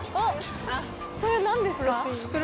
それ何ですか？